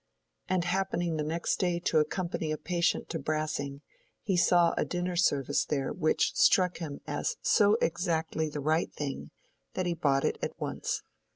And happening the next day to accompany a patient to Brassing, he saw a dinner service there which struck him as so exactly the right thing that he bought it at once.